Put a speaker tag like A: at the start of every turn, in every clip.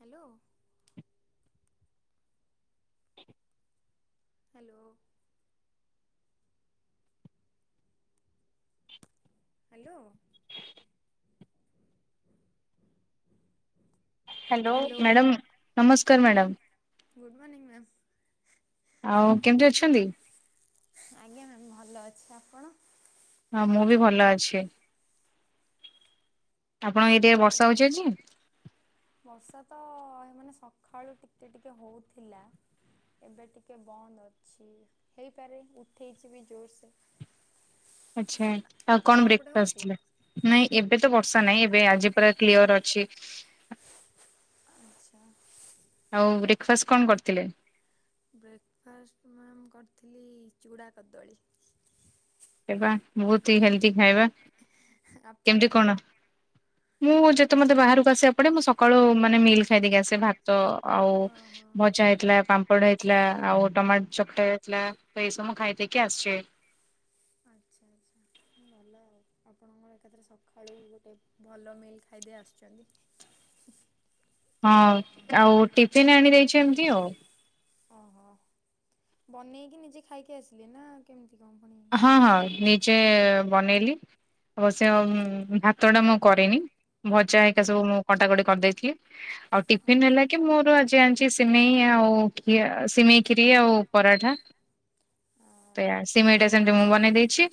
A: Hello hello
B: [inaudible]
A: hello
B: hello madam ନମସ୍କାର
A: ma'am ନ
B: madam.
A: Good morning ma'am.
B: ଆଉ କେମିତି ଅଛନ୍ତି?
A: ଆଜ୍ଞା ମ୍ୟାମ୍ ଭଲ ଅଛି ଆପଣ?
B: ହଁ ମୁଁ ବି ଭଲ ଅଛି ଆପଣଙ୍କ ଏରିଆରେ ବର୍ଷା ହଉଛି ଆଜି?
A: ବର୍ଷା ତ ମାନେ ସକାଳୁ ଟିକେ ଟିକେ ହଉଥିଲା ଏବେ ଟିକେ ବନ୍ଦ ଅଛି ହେଇପାରେ ଉଠେଇଛି ବି ଜୋରସେ।
B: ଆଚ୍ଛା ଆଉ
A: ଆପଣଙ୍କ
B: କଣ ବ୍ରେକ
A: ସେପଟେ
B: ଫାଷ୍ଟ
A: ହଉଛି?
B: ଥିଲା? ନାଇଁ ଏବେ ତ ବର୍ଷା ନାହିଁ ଏବେ ଆଜି ପୁରା କ୍ଲିୟର ଅଛି।
A: ଆଚ୍ଛା
B: ଆଉ ବ୍ରେକ ଫାଷ୍ଟ କଣ କରିଥିଲେ?
A: ବ୍ରେକ ଫାଷ୍ଟ ମ୍ୟାମ କରିଥିଲି ଚୁଡ଼ା କଦଳୀ
B: ହେବା ବହୁତ ହି ହେଲ୍ଦି ଖାଇବା
A: ଆପଣ?
B: କେମିତି କଣ? ମୁଁ ଯେତେ ମୋତେ ବାହାରକୁ ଆସିବା ପଡେ ମୁଁ ସକାଳୁ ମାନେ ମିଲ୍ ଖାଇ ଦେଇକି ଆସେ ଭାତ ତ ଆଉ
A: ଓହୋ
B: ଭଜା ହେଇଥିଲା ପାମ୍ପଡ଼ ହେଇଥିଲା ଆଉ ଟମାଟୋ ଚକଟା ହେଇଥିଲା ସେ ସମୁ ଖାଇଦେଇକି ଆସିଛି।
A: ଆଚ୍ଛା ଆଚ୍ଛା ଭଲ ଆଉ। ଆପଣଙ୍କର ଏକାଥରେ ସକାଳୁ ଗୋଟେ ଭଲ ମିଲ୍ ଖାଇଦେଇ ଆସୁଛନ୍ତି।
B: ହଁ ଆଉ ଆଉ ଟିଫିନ୍ ଆଣିଦେଇଛନ୍ତି ଆଉ।
A: ଓହୋ ବନେଇକି ନିଜେ ଖାଇକି ଆସିଲେ ନା କେମିତି କଣ ପୁଣି।
B: ହଁ ହଁ ନିଜେ ବନେଇଲି ଅବଶ୍ୟ
A: ଆଜ୍ଞା
B: ଭାତ ତଟା ମୁଁ କରେନି ଭଜା ହେଇକା
A: ଆଜ୍ଞା। ଆଜ୍ଞା।
B: ସବୁ ମୁଁ କଟାକଟି କରିଦେଇଥିଲି ଆଉ ଟିଫିନ ହେଲାକି କି ମୋର ଆଜି ଆଣିଛି ସିମେଇ ଆଉ ଖିଆ ସିମେଇ ଖିରି ଆଉ ପରାଠା।
A: ଆ
B: ତ
A: ଆଚ୍ଛା
B: ସିମେଇ ଟା ସେମିତି
A: ଆଚ୍ଛା।
B: ମୁଁ ବନେଇ ଦେଇଛି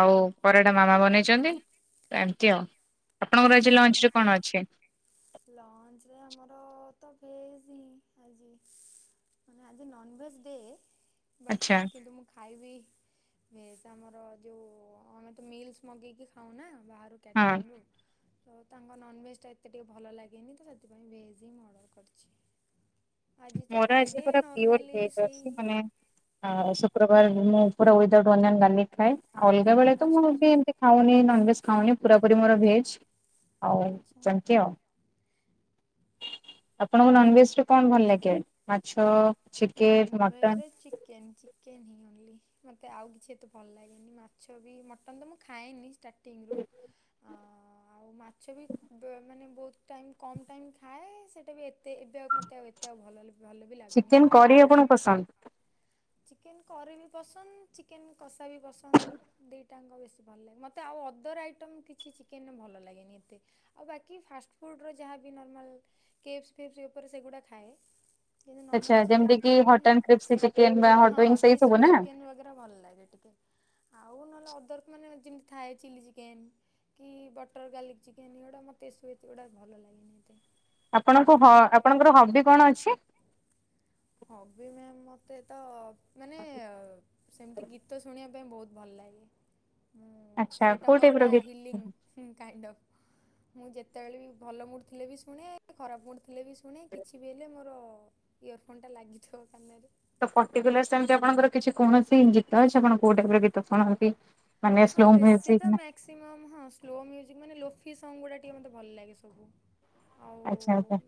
B: ଆଉ ପରାଟା ମାମା ବନେଇଛନ୍ତି ଏମତି ଆଉ ଆପଣଙ୍କର ଆଜି? ଇ ଲଞ୍ଚ ରେ କଣ ଅଛି?
A: ଲଞ୍ଚ ରେ ଆମର ତ ଭେଜ ହିଁ ଆଜି। ମାନେ ଆଜି ନନଭେଜ ଦେ ବଟ
B: ଆଚ୍ଛା
A: କିନ୍ତୁ ମୁ ଖାଇବି ଭେଜ ଆମର ଯୋଉ ଆମେ ତ ମିଲ୍ସି ମଗେଇକି ଖାଉନା ବାହାରୁ
B: ହଁ
A: କ୍ୟାଟ୍ରିରିଙ୍ଗ ରୁ। ତ ତାଙ୍କ ନନଭେଜ ଟା ଏତେ ଟିକିଏ ଭଲ ଲାଗେନି ତ ସେଥିପାଇଁ ଭେଜ୍ ହିଁ ମୁଁ ଅର୍ଡ଼ର କରିଛି। ଆଜି ତ
B: ମୋର ଆଜି
A: ଫ୍ରାଇଡ଼େ
B: ପୁରା ପିଓର
A: ନର୍ମାଲି
B: ଭେଜ୍
A: ସେଇ
B: ଆସିଚି ମାନେ
A: ଆଜ୍ଞା।
B: ଆଉ ସବ ପୁରା ବାରେ ମୁଁ ପୁରା ଉଇ ଦାଉଟୁ ଅନିଅନ ଗାର୍ଲିକ ଖାଏ ଆଉ ଅଲଗା ବେଳେ ତ ମୁଁ
A: ଆଚ୍ଛା
B: ଏମିତି
A: ଆଚ୍ଛା।
B: ଏମତ ଖାଉନି ନନଭେଜ୍ ଖାଉନି ପୁରାପୁରି ମୋର ଭେଜ୍ ଆଉ
A: ଆଚ୍ଛା।
B: ସେମତି ଆଉ। ଆପଣଙ୍କୁ ନନଭେଜ ରେ କଣ ଭଲ ଲାଗେ ମାଛ?
A: ନନ
B: ଚିକେନ, ମଟନ,
A: ଭେଜରେ ଚିକ୍ ଚିକେନ୍ ଚିକେନ୍ ହିଁ ଓନ୍ଲି ମୋତେ ଆଉ କିଛି ଏତେ ଭଲ ଲାଗେନି ମାଛ ବି ମଟନ୍ ତ ମୁଁ ଖାଏନି ଷ୍ଟାର୍ଟ ଟିଂରୁ ଅ ଆଉ ମାଛ ବି ମାନେ ବହୁତ ଟାଇମ୍ କମ୍ ଟାଇମ୍ ଖାଏ ସେଇଟା ବି ଏତେ ମୋତେ ଆ ଏତେ ଆଉ ଭଲ ଭଲ ବି ଲାଗୁନି
B: ଚିକେନ
A: ଖାଇବାକୁ।
B: କରି ଆପଣଙ୍କୁ ପସନ୍ଦ।
A: ଚିକେନ କରି ବି ପସନ୍ଦ ଚିକେନ କଷା ବି ପସନ୍ଦ ଦି ଟାଙ୍କ ବେଶୀ ଭଲ ଲାଗେ ମୋତେ ଆଉ ଅଦର ଆଇଟମ୍ କିଛି ଚିକେନ ଭଲ ଲାଗେନି ଏତେ। ଆଉ ବାକି ଫାଷ୍ଟଫୁଡ଼୍ ଯାହା ବି ନର୍ମାଲ କେପ୍ସ ଫିପ୍ସ ଉପରେ ସେଗୁଡ଼ା ଖାଏ। [inaudible]
B: ଆଚ୍ଛା
A: ନାର୍ମଲ
B: ଯେମିତି
A: ଚିକେନ
B: କି
A: କରି
B: ହଟ ଆଣ୍ଡ କ୍ରିସ୍ପି ଚିକେନ ବା ହଟ
A: ହଁ
B: ୱିଙ୍ଗ ସେଇ ସବୁ
A: କ୍ରିସ୍ପି
B: ନା।
A: ଚିକେନ ବଗେରା ଭଲ ଲାଗେ ଟିକେ। ଆଉ ନହେଲେ ଅଦରକ ମାନେ ଯେମିତି ଥାଏ ଚିଲି ଚିକେନ କି ବଟର୍ ଗାର୍ଲିକ୍ ଚିକେନ୍ ଏଗୁଡ଼ା ମୋତେ [inaudible] ଗୁଡ଼ା ଭଲ ଲାଗେନି ଏତେ
B: ଆପଣଙ୍କୁ ହ ଆପଣଙ୍କର ହବି କଣ ଅଛି?
A: ନର୍ମାଲ୍ ହବି ମ୍ୟାମ୍ ମତେ ତ ମାନେ ସେମିତି ଗୀତ ଶୁଣିବା ସେ ପାଇଁ ବହୁତ ଭଲ ଲାଗେ ମୁଁ
B: ଆଚ୍ଛା
A: ସେଇଟା
B: କୋଉ
A: ମୋର
B: ଟାଇପ ର
A: ଗୋଟେ
B: ଗୀ
A: ହିଲିଙ୍ଗ କାଇଣ୍ଡ ଅଫ୍ ମୁଁ ଯେତେବେଳେ ବି ଭଲ ମୁଡ଼ ଥିଲେ ବି ଶୁଣେ ଖରାପ ମୁଡ୍ ଥିଲେ ବି ଶୁଣେ କିଛି ବି ହେଲେ ମୋର ଇୟରଫୋନ ଟା ଲାଗିଥିବ କାନରେ
B: ତ ପର୍ଟିକୁଲାର ସେମିତି ଆପଣଙ୍କର କିଛି କୌଣସି ଗୀତ ଅଛି ଆପଣ କୋଉ ଟାଇପ ଗୀତ ଶୁଣନ୍ତି? ମାନେ
A: ହଁ
B: ସ୍ଲୋ
A: ବେଶୀ
B: ମ୍ୟୁଜିକ
A: ତ
B: ନା
A: ମ [unintelligible] ସଙ୍ଗ ଗା ଟିକେ ଭଲ ଲାଗେ ସବୁ
B: ଆଚ୍ଛା ଆଚ୍ଛା।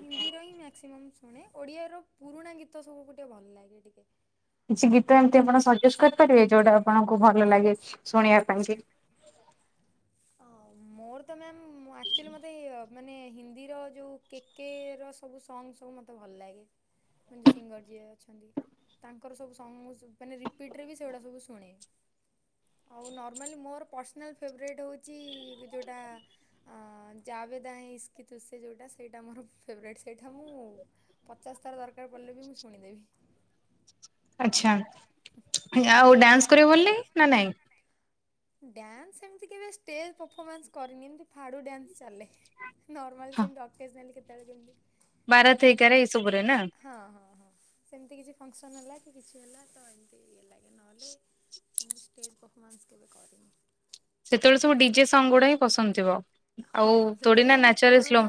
A: ହିନ୍ଦୀର ହିଁ ମକ୍ସିମମ୍ ଶୁଣେ ଓଡିଆ ର ପୁରୁଣା ଗୀତ ସବୁକୁ ଟିକେ ଭଲ ଲାଗେ ଟିକେ।
B: କିଛି ଗୀତ ଏମତି ଆପଣ ସଜେଷ୍ଟ କରିପାରିବେ ଯୋଉଟା ଆପଣଙ୍କୁ ଭଲ ଲାଗେ ଶୁଣିବା ପାଇଁ କି?
A: ମୋର ତ ମ୍ୟାମ୍ ଆକ୍ଚୁଆଲି ମୋତେ ମାନେ ହିନ୍ଦୀର ଯେଉଁ କେକ୍ କେ ର ସବୁ ସଙ୍ଗ୍ ସବୁ ମୋତେ ଭଲ ଲାଗେ ଯେଉଁ ସିଙ୍ଗର ଯିଏ ଅଛନ୍ତି ତାଙ୍କର ସବୁ ସଙ୍ଗ ମାନେ ରିପିଟ ରେ ବି ସେଗୁଡା ସବୁ ଶୁଣେ ଆଉ ନର୍ମାଲି ମୋର ପର୍ସନାଲ୍ ଫେଭରଟ୍ ହେଉଛି ଯେଉଟା ଜାବେଦାଁ ଇସ୍କିିତୁସେ ଯେଉଁଟା ସେଇଟା ମୋର ଫେବରୋଇଟ୍ ସେଇଟା ମୁଁ। ପଚାଶ ଥର ଦରକାର ପଡ଼ିଲେ ବି ମୁଁ ଶୁଣିଦେବି
B: ଆଚ୍ଛା ଆଉ ଡ୍ୟାନ୍ସ କରିବାକୁ ଭଲ ନା ଲାଗେ ନା ନାଇଁ
A: ଡ୍ୟାନ୍ସ ଏମିତି କେବେ ଷ୍ଟେଜ୍ ପରଫମାନ୍ସ କରିନି ଏମିତି ଫାଡୁ ଡ୍ୟାନ୍ସ ଚାଲେ ନର୍ମାଲ ସେମିତି ଅକେଜ଼ନାଲି କେତେବେଳେ କେମିତି
B: ବାରାତି [inaudible] ଏଇ ସବୁ କରେ ନା।
A: ହଁ ହଁ ହଁ ସେମିତି କିଛି ଫଙ୍କସନ୍ ହେଲା କି କିଛି ହେଲା ତ ଇଏ ଲାଗେ ନହେଲେ କେମିତି ଷ୍ଟେଜ ପରଫମାନ୍ସ କେବେ କରିନି
B: ସେତେବେଳେ ସବୁ ଡିଜେ ସଙ୍ଗ ଗୁଡା ହି ପସନ୍ଦଥିବ।
A: ହଁ ହଁ ସେଥିରେ ସବୁ ପୁରୁଣା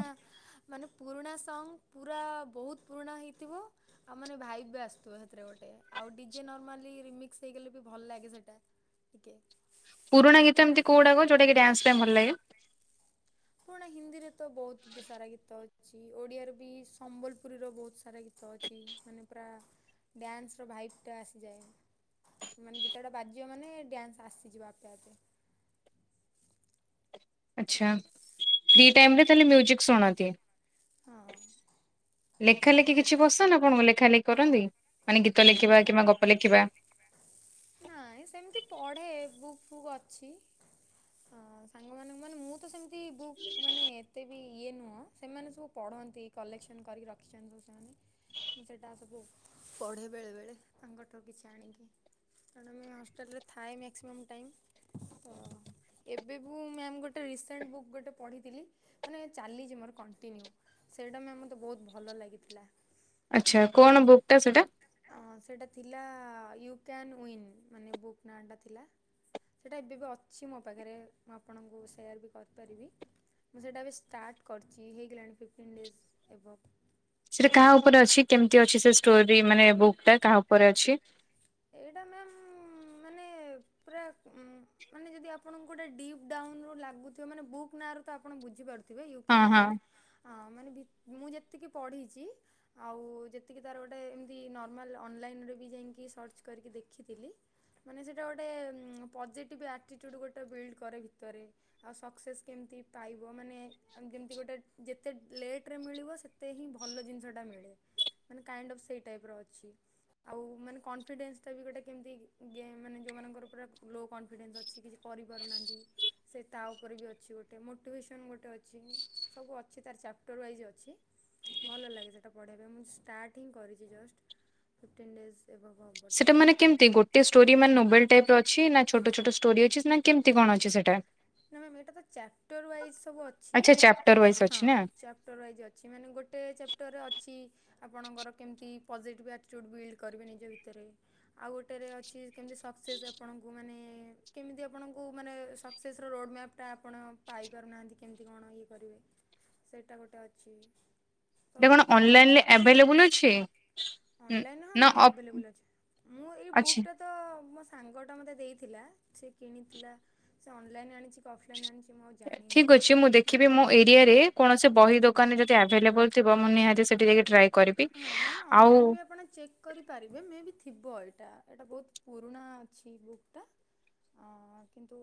A: ମାନେ ପୁରୁଣା ସଙ୍ଗ ପୁରା ବହୁତ ପୁରୁଣା ହେଇଥିବ। ଆଉ ମାନେ ଭାଇବ ବି ଆସୁଥିବ ସେଥିରେ ଗୋଟେ ଆଉ ଡିଜେ ନର୍ମାଲିମିକ୍ସ ହେଇଗଲେ ବି ଭଲ ଲାଗେ ସେଟା ଟିକେ।
B: ପୁରୁଣା ଗୀତ ଏମିତିି କୋଉଟା କୁହ ଯେମିତି ଡେନ୍ସପାଇଁ ଭଲ ଲାଗେ
A: ପୁରୁଣା ହିନ୍ଦୀରେ ତ ବହୁତ ସାରା ଗୀତ ଅଛି ଓଡ଼ିଆରେ ବି ସମ୍ବଲପୁରୀର ବହୁତ ସାରା ଗୀତ ଅଛି ମାନେ ପୁରା ଡ୍ୟାନ୍ସ ର ଭାଇପ୍ ଟା ଆସିଯାଏ ମାନେ ଗୀତଟା ବାଜିବ ମାନେ ଡ୍ୟାନ୍ସ ଆସିଯିବ ଆପେ ଆପେ
B: ଆଚ୍ଛା ଫ୍ରି ଟାଇମିରେ ତାହେଲେ ମ୍ୟୁଜିକ୍ ଶୁଣନ୍ତି
A: ହଁ।
B: ଲେଖା ଲେଖି କିଛି ପସନ୍ଦ ଆପଣଙ୍କୁ ଲେଖା ଲେଖି କରନ୍ତି ମାନେ ଗୀତ
A: ନା
B: ଲେଖିବା କିମ୍ବା ଗପ ଲେଖିବା?
A: ନାଇଁ ସେମିତି ପଢେ ବୁକ୍ ଫୁକ୍ ଅଛି। ହଁ ସାଙ୍ଗମାନେ ମାନେ ମୁଁ ତ ସେମିତି ବୁକ୍ ମାନେ ଏତେ ବି ଇଏ ନୁହଁ ସେମାନେ ସବୁ ପଢନ୍ତି। କଲେକ୍ସନ୍ କରିକି ରଖିଛନ୍ତି ସବୁ ସାଙ୍ଗମାନେ ମୁଁ ସେଇଟା ସବୁ ପଢ଼େ। ବେଳେବେେଳେ ତାଙ୍କଠାରୁ କିଛି ଆଣିକି। କାରଣ ମୁଁ ହଷ୍ଟେଲ୍ ରେ ଥାଏ ମେକ୍ସିମମ୍ ଟାଇମ୍। ତ ଏବେ ଭୁ- ମ୍ୟାମ୍ ଗୋଟେ ରିସେଣ୍ଟ ବୁକ୍ ଗୋଟେ ପଢିଥିଲି। ମାନେ ଚାଲିଛି ମୋର କଣ୍ଟିନ୍ୟୁ, ସେଇଟା ମ୍ୟାମ଼ ମୋତେ ବହୁତ ଭଲ ଲାଗିଥିଲା।
B: ଆଚ୍ଛା କଣ ବୁକ୍ ଟା ସେଟା?
A: ଅଁ, ସେଇଟା ଥିଲା ୟୁ କ୍ୟାନ୍ ୱିନ୍ ମାନେ ବୁକ୍ ନାଁଟା ଥିଲା। ସେଇଟା ଏବେ ବି ଅଛି ମୋ ପାଖରେ ମୁଁ ଆପଣଙ୍କୁ ସେୟାର୍ ବି କରିପାରିବି। ମୁଁ ସେଇଟା ଏବେ ଷ୍ଟାର୍ଟ କରିଚି ହେଇଗଲାଣି ଫିଫ୍ଟିନ୍ ଡେଜ୍ ଏଭବ୍।
B: ସେଟା କାହା ଉପରେ ଅଛି? କେମିତି ଅଛି ସେ ଷ୍ଟୋରି ମାନେ ବୁକ୍ ଟା କାହା ଉପରେ ଅଛି?
A: ଏଇଟା ମ୍ୟାମ୍ ମାନେ ପୁରା ଉଁ, ମାନେ ଯଦି ଆପଣଙ୍କୁ ଗୋଟେ ଡିପ୍ ଡାଉନ୍ ରୁ ଲାଗୁଥିବ ମାନେ ବୁକ୍ ନାଁ ରୁ ତ ଆପଣ ବୁଝିପାରୁ ଥିବେ ୟୁ
B: ହଁ
A: କେନ
B: ହଁ
A: ଉଇନ୍ ଅ, ମାନେ ଭି-ମୁଁ ଯେତିକି ପଢିଛି ଆଉ ଯେତିକି ତାର ଗୋଟେ ଏମିତି ନର୍ମାଲ ଅନଲାଇନ ରୁ ଯାଇକି ସର୍ ର୍ଚ କରିକି ଦେଖିଥିଲି। ମାନେ ସେଇଟା ଗୋଟେ ଉଁ, ପଜିଟିଭ୍ ଆଟିଚ୍ୟୁଡ଼୍ ଗୋଟେ ବିଲ୍ଡ କରେ ଭିତରେ। ଆଉ ସକ୍ସେସ୍ କେମିତି ପାଇବ ମାନେ ଆମ ଯେମତି ଗୋଟେ ଯେତେ ଲେଟ୍ ରେ ମିଳିବ ସେତେ ହିଁ ଭଲ ଜିନିଷଟା ମିଳେ। ମାନେ କାଇଣ୍ଡ ଅଫ୍ ସେଇ ଟାଇପ୍ ର ଅଛି। ଆଉ ମାନେ କନ୍ ଫିଡେନ୍ସଟା ବି ଗୋଟେ କେମିତି ଗେମ୍ ମାନେ ଯୋଉମାନଙ୍କର ପୁରା ଲୋ କନଫିଡେନ୍ସ ଅଛି କିଛି କରିପାରୁନାହାଁନ୍ତି। ସେ ତା ଉପରେ ବି ଅଛି ଗୋଟେ ମୋଟିଭେସନ୍ ଗୋଟେ ଅଛି। ସବୁ ଅଛି ତାର ଚାପ୍ଟର୍ ୱାଇଜ୍ ଅଛି। ଭଲ ଲାଗେ ସେଟା ପଢିବା ପାଇଁ ମୁଁ ଷ୍ଟାର୍ଟ ହିଁ କରିଚି ଜଷ୍ଟ ଫିପ୍ଟିନ୍ ଡେଜ୍ ଏବଭ୍ ହ
B: ସେଟା ମାନେ କେମତି ଗୋଟେ ଷ୍ଟୋରି ମାନେ ନୋବେଲ ଟାଇପ୍ ର ଅଛି ନା ଛୋଟ ଛୋଟ ଷ୍ଟୋରି ଅଛି ନା କେମିତି କଣ ଅଛି ସେଟା?
A: ନା ମେ- ଏଟା ତ ଚାପ୍ଟର୍ ୱାଇଜ୍ ସବୁ ଅଛି
B: ଆଚ୍ଛା ଚାପ୍ଟର ୱାଇଜ
A: ହଁ
B: ଅଛି ନା
A: ଚାପ୍ ଟର ୱାଇଜ୍ ଅଛି ମାନେ ଗୋଟେ ଚାପ୍ଟର୍ ଅଛି। ଆପଣଙ୍କର କେମିତି ପଜିଟିଭ୍ ଆଟିଚ୍ୟୁଡ଼୍ ବିଲ୍ଡ କରିବେ ନିଜ ଭିତରେ। ଆଉ ଗୋଟେରେ ଅଛି କେମିତି ସକ୍ସେସ୍ ଆପଣଙ୍କୁ ମାନେ କେମିତି ଆପଣଙ୍କୁ ମାନେ ସକ୍ ସେସ୍ ର ରୋଡ୍ ମ୍ୟାପ୍ ଟା ଆପଣ ପାଇପାରୁନାହାନ୍ତି କେମିତି କଣ ଇଏ କରିବେ। ସେଇଟା ଗୋଟେ ଅଛି।
B: ଏଇଟା
A: ସବ
B: କଣ
A: ଭଲ ଅଛି
B: ଅନଲାଇନରେ ଆଭେଲେବୁଲ ଅଛି
A: ଅନଲାଇନ୍ ହଁ
B: ନା
A: ମ୍ୟାମ୍
B: ଅଫ୍
A: ଆଭେଲେବୁଲ୍ ଅଛି। ମୁଁ ଏଇ
B: ଅଛି।
A: ବୁକ୍ ଟା ତ ମୋ ସାଙ୍ଗା ଟା ମୋତେ ଦେଇଥିଲା ସେ କିଣିଥିଲା ସେ ଅନଲାଇନ୍ ଆଣିଛି [unintelligible] ଅଫଲାଇନ୍ ଆଣିଛି ମୁଁ ଆଉ ଜାଣିନି।
B: ଠିକ୍ ଅଛି ମୁଁ ଦେଖିବି ମୋ
A: ହଁ ଉଁ, ଆଜ୍ଞା।
B: ଭେଲେବଲ୍ ଥିବ ମୁଁ ନିହାତି ସେଠି ଯାଇକି ଟ୍ରାଏ କରିବି
A: ହଁ ମ୍ୟାମ୍
B: ଆଉ
A: ଅନଲାଇନ୍ ବି ଆପଣ ଚେକ୍ କରିପାରିବେ। ମେ ବି ଥିବ ଏଇଟା ଏଇଟା ବହୁତ ପୁରୁଣା ଅଛି ବୁକ୍ ଟା। ଅ, କିନ୍ତୁ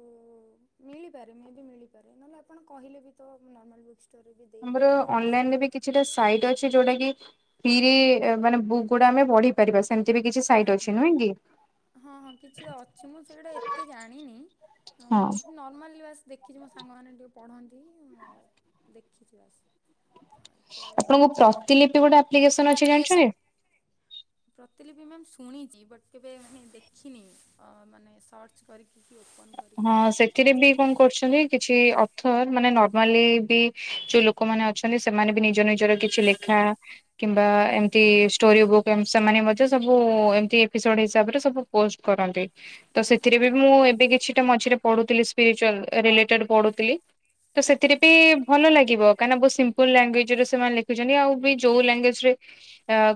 A: ମିଳିପାରେ ମେ ବି ମିଳିପାରେ, ନହେଲେ ଆପଣ କହିଲେ ବି ତ ନର୍ମାଲ ବୁକ୍ ଷ୍ଟୋର୍ ରେ ବି
B: ଆମର
A: ଦେଇପାରିବେ ଆଣିକି।
B: ଅନଲାଇନରେ ବି କିଛିଟା ସାଇଟ୍ ଅଛି ଯୋଉଟା କି ପିରେ ଏ ମାନେ ଵୁକ୍ ଗୁଡା ଆମେ ପଢି ପାରିବା। ସେମିତି ବି କିଛି ସାଇଟ୍ ଅଛି
A: ଆଜ୍ଞା
B: ନୁହେଁ କି?
A: ହଁ ହଁ କିଛି ଟା ଅଛି ମୁଁ ସେଇଟା ଏତେ ଜାଣିନି
B: ହଁ।
A: ମୁଁ ନର୍ମାଲି ବାସ୍ ଦେଖିଛି ମୋ ସାଙ୍ଗମାନେ ଯୋଉ ପଢ଼ନ୍ତି ଆଉ ଦେଖିଛି ବାସ୍। ହଁ ଏତେ ଆଉ
B: ଆପଣଙ୍କୁ ପ୍ରତିଲିିପି ଗୋଟେ ଆପ୍ଲିକେସନ୍ ଅଛି ଜାଣିଛନ୍ତି?
A: ପ୍ରତିଲିିପି ମ୍ୟାମ୍ ଶୁଣିଛି ବଟ୍ କେବେ ମାନେ ଦେଖିନି ଅ ମାନେ ସଟ୍ ସର୍ଚ୍ଚ କରିକି କି ଓପନ୍ କରିକି
B: ହଁ
A: ତାକୁ
B: ସେଥିରେ
A: ଦେଖିନି।
B: ବି କଣ କରୁଛନ୍ତି କିଛି ଅର୍ଥ ମାନେ ନର୍ମାଲି ବି ଯୋଉ ଲୋକମାନେ ଅଛନ୍ତି ସେମାନେ ବି ନିଜ ନିଜର କିଛି ଖା କିମ୍ବା
A: ଆଜ୍ଞା
B: ଏମତି ଷ୍ଟୋରୀ ବୁକ୍। ସେମାନେ ମଧ୍ୟ ସବୁ ଏମିତି ଏପିସୋଡ ହିସାବରେ ସବୁ ପୋଷ୍ଟ କରନ୍ତି। ତ
A: ଆଜ୍ଞା।
B: ସେଥିରେ ବି
A: ଆଚ୍ଛା
B: ମୁଁ
A: ଆଚ୍ଛା।
B: ଏବେ କିଛିଟା ମଝିରେ ପଢୁଥିଲି ସ୍ପିରିଚୁଆଲ୍ ରିଲେଟେଡ଼ ପଢୁଥିଲି। ତ ସେଥିରେ
A: ଆଚ୍ଛା।
B: ବି ଭଲ ଲାଗିବ କାହିଁନା ବହୁ ସିମ୍ପୁଲ ଲାଙ୍ଗୁଏଜ୍ ରେ ସେମାନେ ଲେଖିଛନ୍ତି ଆଉ ବି ଯୋଉ ଲାଙ୍ଗୁଏଜ୍ ରେ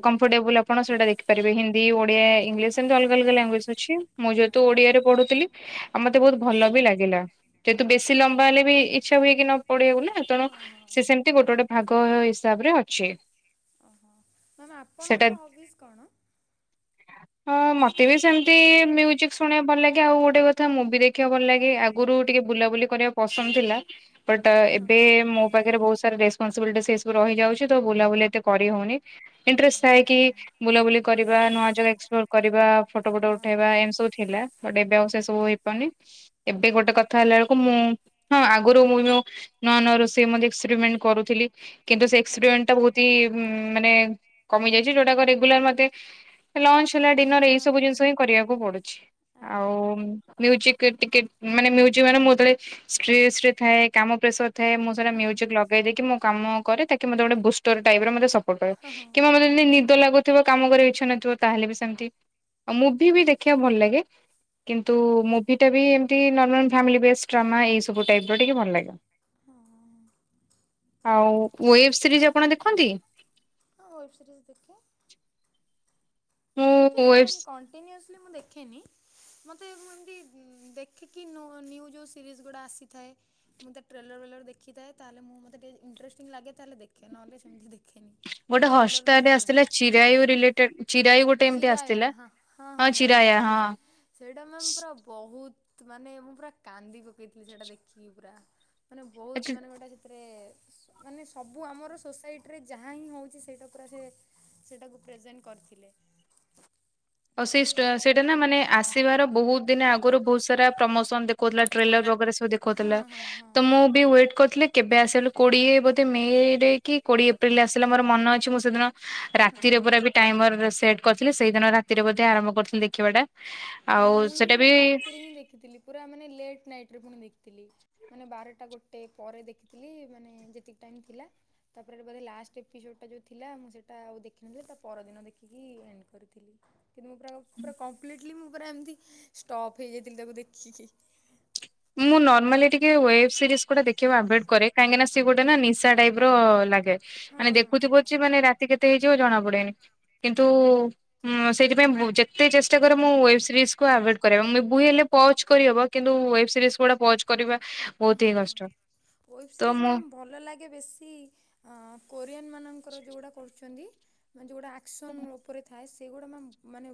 B: କମ୍ଫଟେବୁଲ୍ ଆପଣ ସେଇଟା ଦେଖିପାରିବେ ହିନ୍ଦୀ ଓଡିଆ ଇଂଲିଶ ଏମତି
A: ଆଚ୍ଛା
B: ଅଲଗା ଅଲଗା
A: ଆଚ୍ଛା ଆଜ୍ଞା
B: ଲାଙ୍ଗୁଏଜ୍ ଅଛି ମୁଁ
A: ଆଜ୍ଞା
B: ଯେହେତୁ
A: ଆଜ୍ଞା।
B: ଓଡ଼ିଆରେ ପଢ଼ୁଥିଲି ଆଉ ମତେ ବହୁତ୍ ଭଲ ବି ଲାଗିଲା। ଯେହେତୁ ବେଶୀ ଲମ୍ବା ହେଲେ ବି ଇଚ୍ଛା ହୁଏ କି ନ ପଡେଇିବାକୁ ନା ତେଣୁ
A: ହଁ ହଁ
B: ସେ
A: ହଁ।
B: ସେ ସେମତି ଗୋଟେ ଗୋଟେ ଭାଗ ହିସାବରେ ଅଛି।
A: ଓହୋ ମ୍ୟାମ୍
B: ସେଟା
A: ଆପଣଙ୍କର ହବିସ୍ କଣ?
B: ହଁ ମତେ ବି ସେମିତି ମ୍ୟୁଜିକ୍ ଶୁଣିବାକୁ ଭଲ ଲାଗେ ଆଉ ଗୋଟେ କଥା ମତେ ମୁଭି ଦେଖିବାକୁ ଭଲ ଲାଗେ ଆଗରୁ ଟିକେ ବୁଲାବୁଲି କରିବାକୁ ପସନ୍ଦ ଥିଲା ବଟ୍
A: ଓହୋ।
B: ଏବେ ମୋ ପାଖରେ ବହୁତ ସାରା ରେସସ୍ପନସବିଲ୍ଟି ସେ ସବୁ ରହିଯାଉଛି ତ ବୁଲାବୁଲି ଏତେ କରି ହଉନି ଇଣ୍ଟରେଷ୍ଟ ଥାଏ
A: ଆଚ୍ଛା
B: କି
A: ଆଚ୍ଛା।
B: ବୁଲାବୁଲି କରିବା ନୂଆ ଜାଗା ଏକ୍ସପ୍ଲୋର କରିବା ଫଟୋ ଫଟ
A: ହଁ
B: ଉଠେଇବା
A: ହଁ।
B: ଏମିତି ସବୁ ଥିଲା ବଟ୍ଏବେ ଆଉ ସେ ସବୁ ହେଇପାରୁନି ଏବେ ଗୋଟେ କଥା ହେଲା ବେଳକୁ ମୁଁ ହଁ ଆଗରୁ ମୁଁ ଯୋଉ ନୂଆ ନୂଆ ରୋଷେଇ ଏକ୍ପେରିମେଣ୍ଟ କରୁଥିଲି। କିନ୍ତୁ ସେ
A: ଆଚ୍ଛା।
B: ଏକ୍ସପରିମେଣ୍ଟ ଟା ବହୁତି ମାନେ କମି ଯାଇଛି ଯୋଉଟା ରେଗୁଲାର ମତେ ଲଞ୍ଚ ହେଲା ଡିନର ଏଇ
A: ହଁ ହଁ
B: ସବୁ
A: ହଁ
B: ଜିନିଷ ହିଁ କରିବାକୁ ପଡୁଛି।
A: ଆଜ୍ଞା ଆଜ୍ଞା।
B: ମ୍ୟୁଜିକ୍ ରେ ଟିକେଟ୍ ମାନେମ ମାନେ ମୁଁଳେ ଷ୍ଟ୍ରେସ୍ ରେ ଥାଏ କାମ ପ୍ରେସର ଥାଏ ମୁଁ ସେଟା ମ୍ୟୁଜିକ୍ ଲଗେଇ ଦେଇକି ମୁଁ କାମ କରେ ତାକି ମତେ ଗୋଟେ ବୁଷ୍ଟ ଟାଇମ୍ ରେ ମତେ ସପୋର୍ଟ କରିବ
A: ହଁ ହଁ।
B: କିମ୍ବା ମୋତେ ଯଦି ନିଦ ଲାଗୁଥିବ କାମ କରିବା କୁ ଇଚ୍ଛା ନଥିବ ତାହେଲେ ବି ସେମିତି ଆଉ ମୁଭି ବି ଦେଖିବା କୁ ଭଲ ଲାଗେ। କିନ୍ତୁ
A: ହଁ
B: ମୁଭିଟା ବି ଏମିତି ନର୍ମାଲ ଫ୍ୟାମିଲି ବେଷ୍ଟ ଡ୍ରାମା ଏଇସବୁ ଟାଇପ୍ ଟିକେ ଭଲ ଲାଗେ। ଆଉ ୱେବ୍ ସିରିଜ ଆପଣ ଦେଖନ୍ତି।
A: ହଁୱେବ ସିରୀସ୍ ଦେଖେ।
B: ମୁଁ
A: ସେମିତି ମାମମ୍
B: ୱେବ୍
A: ମୁଁ କଣ୍ଟିନ୍ୟୁସଲି ମୁଁ ଦେଖେନି। ମତେ ମୁଁ ଏମିତି ଦେଖିକି ନିଉ ଯୋଉ ସିରିଜ୍ ଗୁଡା ଆସିଥାଏ। ମୁଁ ତ ଟ୍ରେଲରବେଲ୍ ର ଦେଖଥାଏ ତାହେଲେ ମତେ ଟିକେ ଇଟଷ୍ଟଟିଂ ଲାଗେ ତାହଲେ ଦେଖେ ନହେ ସେମିତି ଦେଖେ। ଦେଖେନି ମାନେ ଟ୍ରେଲର ଦେଖିକି ରହେ।
B: ଗେଟ ଚିରାଇବ।
A: ଚିରାୟା ହଁ ହଁ ହଁ ମ୍ୟାାମ
B: ହଁ।
A: ଦେଖିଛି। ସେଇଟା ମାମ୍ ପୁରା ବହୁତ୍ ମାନେ ମୁଁ ପୁରା କାନ୍ଦି ପକେଇଥିଲି ସେଇଟା ଦେଖିକି ପୁରା। ମାନେ
B: ଆଚ୍ଛା,
A: ବହୁତ ମାନେ ଗୋଟେ। ତାପରେ ମାନେ ସବୁ ଆମର ସୋସାଇଟିରେ ଯାହା ହିଁ ହେଉଛି ସେଇଟା ପୁରା ସେ ସେଟାକୁ ପ୍ରେଜେଣ୍ଟ କରିଥିଲେ।
B: ଆଉ ସେ ସେଇଟା ନା ମାନେ ଆସିବାର ବହୁତ୍ ଦିନ ଆଗରୁ ବହୁତ୍ ସାରା ପ୍ରମୋସନ। କହୁଥିଲା ଟ୍ରେଲର ଭାବରେ ସବୁ
A: ହଁ
B: ଦେଖଉଥିଲା
A: ହଁ ହଁ
B: ତ ମୁଁ। ୱଟ୍ କରିଥିଲି କେବେ ଆସ କୋଡ଼ିଏ ବୋଧେ ମେରେ କି କୋଡିଏ ଏପ୍ରିଲ ଆ। ଥିଲା ମୋର ମନ ଅଛି ମୁଁ ସେଦିନ ରାତିରେ ପୁରା ଟାଇମର ସେଟ କରିଥିଲି ସେଇ ଦିନରା ତୀରେ ବୋଧେ ଆରମ୍ଭ କରିଥିଲି ଦେଖିବାଟା
A: ହଁ ମୁଁ ହିଁ ମ ରାତିରେ ହିଁ ଦେଖିଥିଲି ପୁରା ମାନେ ଲେଟ ନାଇଟରେ ପୁଣି ଦେଖିଥିଲି। ମାନେ ବାରଟା ଗୋଟେ ପରେ ଦେଖିଥିଲି ମାନେ ଯେତିକି ଟାଇମ ଥିଲା ତାପରେ ବୋଧେ ଲାଷ୍ଟ ଏପିସୋଡ ଟା ଯୋଉ ଥିଲା ମୁଁ ସେଇଟା ଆଉ ଦେଖିନଥିଲି ତା ପରଦିନ ଦେଖିକି ଏଣ୍ଡ କରିଥିଲି। କିନ୍ତୁ ପ ମୁ ପୁରା ଏମିତିଷ୍ଟପ୍ ହେଇଯାଇଥିଲି ତାକୁ ଦେଖିକି।
B: ମୁଁ ନର୍ମାଲି ଟିକେ ଉଏଫ୍। ସିରିସ୍‌ ଗୁଟା ଦେଖିବାକୁ ଆଭଏଡ କରେ କାହିଁକିନା ସେ ଗୋଟେ ନା ନିଶା ଟାଇପ ର ଲାଗେ
A: ହଁ
B: ମାନେ
A: ହଁ ହଁ।
B: ଦେଖୁଥିବ ମାନେ ରାତି କେତେ ହେଇଯିବ ଜଣା ପଡେନି କିନ୍ତୁ ସେଥିପାଇଁ ଯେତେ ଚେଷ୍ଟାରେ ମୁଁ ୱେବ ସିରିଜ୍କୁ ଆଭଏଡ କରିଆ ମୁଁ କହିମି ବୁ ହେଲେ ପଚ କରିହବ କିନ୍ତୁ ୱେବ କୁ ପହଞ୍ଚ [unintelligible] କରିବା
A: ହଁ ୱ୍ୱେବ
B: ତ
A: ସିରିଜ
B: ମୁଁ
A: ମ୍ୟମ୍ ଭଲ ଲାଗେ ବେଶୀ ଅ କୋରିଆନ ମାନଙ୍କର ଯୋଉଗୁଡା କରୁଛନ୍ତି? ମାନେ ଯେଉଁଗୁଟା ଆକ୍ସନ୍ ଉପରେ ଥାଏ ସେଗୁଡ଼ା ମାମ ମାନେ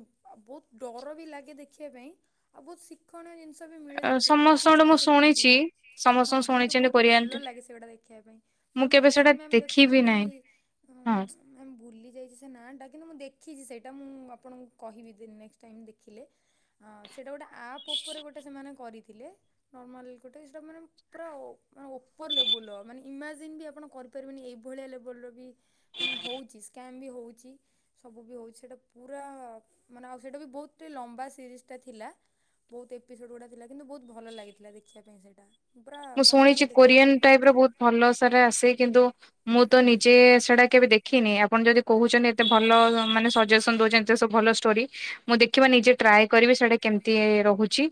A: ବହୁତ ଡର ବି ଲାଗେ ଦେଖିବା ପାଇଁ ଆଉ ବହୁତ ଶି ତୀକ୍ଷଣ ଜିନିଷ ବି ମିଳେ
B: ଅ
A: ସେଥିରୁ ମୁଁ
B: ସମସ୍ତଙ୍କଠୁ
A: କିଛିଟା ଦେଖିଛି।
B: ଶୁଣିଛି
A: ହଁ
B: ସମସ୍ତଙ୍କୁ
A: କିନ୍ତୁ
B: ଶୁଣିଛନ୍ତି
A: ବହୁତ ଭଲ
B: କୋରିଆନ
A: ଲାଗେ ସେଗୁଟା ଦେଖିବା ପାଇଁ ମୁଁ ଏବେ
B: କେବେ ସେଟା
A: ରିସେଣ୍ଟ ମ
B: ଦେଖିବି
A: ଦେଖୁଥିଲି
B: ନାହିଁ ହଁ।
A: ମାମ୍ ଭୁଲି ଯାଇଛି ସେ ନାଁ ଟା କିନ୍ତୁ ମୁଁ ଦେଖିଛି ସେଇଟା ମୁଁ ଆପଣଙ୍କୁ କହିବି ଦ ନେକ୍ସଟ ଟାଇମ ଦେଖିଲେ ହଁସେଇଟା ଗୋଟେ ଆପ୍ ଉପରେ ଗୋଟେ ସେମାନେ କରିଥିଲେ ନର୍ମାଲ ଗୋଟେ ସେଟା ମାନେ ପୁରା ମାନେ ଓପର ଲେବୁଲର ମାନେ ଇମାଜିନ୍ ବି ଆପଣ କରିପାରିବେନି ଏଇଭଳିଆ ଲେବୁଲର ବି ମାନେ ହେଉଛି ସ୍କାମ୍ ବି ହେଉଛି। ସବୁ ବି ହଉଛି ସେଇଟା ପୁରା ମାନେ ଆ ସେଇଟା ବି ବହୁତେ ଲମ୍ବା ସିରିଜ ଟା ଥିଲା। ବହୁତ ଏପିସୋଡ ଗୁଡା ଥିଲା କିନ୍ତୁ ବହୁତ ଭଲ ଲାଗିଥିଲା ଦେଖିବା ପାଇଁ ସେଇଟା। ପୁରା
B: ମୁଁ
A: ଫାଷ୍ଟ ଡ
B: ଶୁଣିଛି
A: ଯେତେବେଳେ
B: କୋରିଆନ
A: ଦେଖିଥିଲି।
B: ଟାଇପ ର ବହୁତ ଭଲ ସାରା ଆସେ କିନ୍ତୁ ମୁଁ ତ ନିଜେ ସେଟା କେବେ ଦେଖିନି ଆପଣ ଯଦି କହୁ ଏତେ ଭଲ
A: ଆଜ୍ଞା ଆଜ୍ଞା।
B: ମାନେ ସଜେସନ ଦଉଛନ୍ତି ଏତେ ସବୁ ଭଲ ଷ୍ଟୋ ମୁଁ ଦେଖିବା ନିଜେ ଟ୍ରାଏ କରିବି ସେଟା କେମିତି ରହୁଛି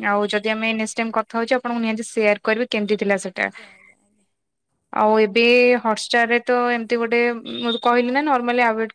A: ଆଜ୍ଞା
B: ଆଉ ଯଦି
A: ଆଜ୍ଞା।
B: ଆମେ ନେକ୍ସଟ ଟାଇମ କଥା ହଉଚଛି ଆପଣ ନିହାତି ସେୟାର କରିବି କେମିତି ଥିଲା ସେଟା।
A: ଆଜ୍ଞା ଆଜ୍ଞା ଆଜ୍ଞା।
B: ଆଉ ଏବେ ହଟାରରେ ତ ଏମତି ଗୋଟେ ମୁଁ କହିଲି ନା ନର୍ମାଲନ ନମାଲି